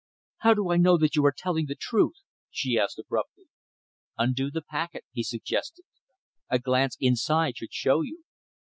"How do I know that you are telling me the truth?" she asked abruptly. "Undo the packet," he suggested. "A glance inside should show you."